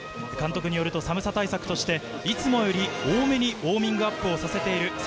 監督によると、寒さ対策としていつもより多めにウオーミングアップをさせている。